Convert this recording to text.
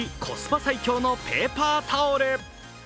最強のペーパータオル。